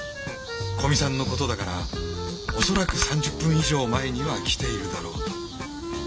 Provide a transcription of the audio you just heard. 古見さんのことだから恐らく３０分以上前には来ているだろうと。